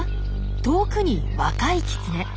遠くに若いキツネ。